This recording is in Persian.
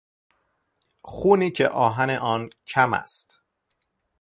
خونی که آهن آن کم است